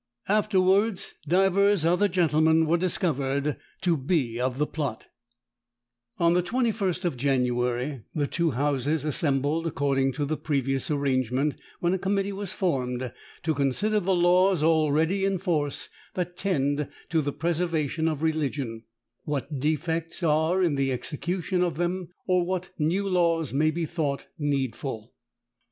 Afterwards, divers other gentlemen were discovered to be of the plot." [Footnote 17: Parl. Hist. v. 125.] On the 21st of January, the two houses assembled according to the previous arrangement, when a committee was formed "to consider the laws already in force, that tend to the preservation of religion—what defects are in the execution of them, or what new laws may be thought needful."